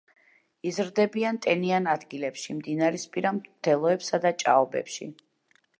იზრდებიან ტენიან ადგილებში, მდინარისპირა მდელოებსა და ჭაობებში.